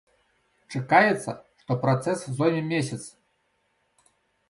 Чакаецца, што працэс зойме месяц.